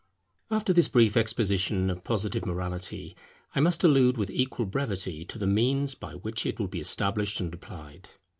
After this brief exposition of Positive morality I must allude with equal brevity to the means by which it will be established and applied.